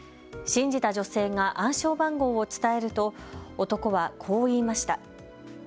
信じた女性が暗証番号を伝えると男はこう言いました。